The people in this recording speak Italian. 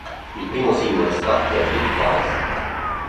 Il primo singolo estratto è "Good Guys".